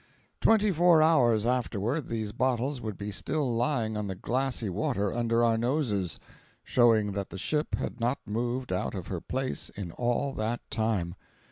Twenty four hours afterward these bottles would be still lying on the glassy water under our noses, showing that the ship had not moved out of her place in all that time.